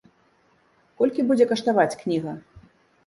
Колькі будзе каштаваць кніга?